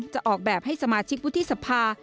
จะออกแบบให้สมาชิกวุฒิสภา